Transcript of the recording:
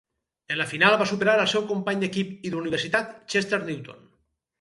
En la final va superar al seu company d'equip i d'universitat Chester Newton.